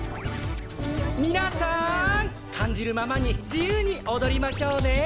みなさんかんじるままにじゆうにおどりましょうね！